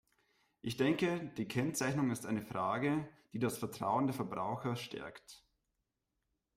Ich denke, die Kennzeichnung ist eine Frage, die das Vertrauen der Verbraucher stärkt.